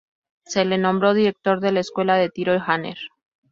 Se le nombró director de la Escuela de Tiro Janer.